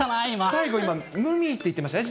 最後今、無味って言ってましたね。